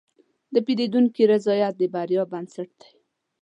د پیرودونکي رضایت د بریا بنسټ دی.